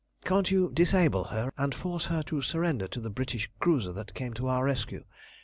Can't you disable her, and force her to surrender to the British cruiser that came to our rescue?